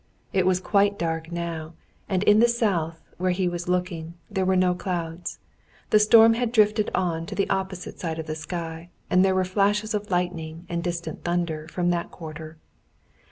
It was quite dark now, and in the south, where he was looking, there were no clouds. The storm had drifted on to the opposite side of the sky, and there were flashes of lightning and distant thunder from that quarter.